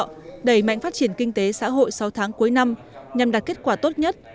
thủ thọ đẩy mạnh phát triển kinh tế xã hội sau tháng cuối năm nhằm đạt kết quả tốt nhất